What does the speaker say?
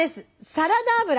サラダ油。